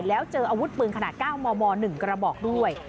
แล้วเจออาวุธปืนขนาด๙มม๑กระบอกด้วย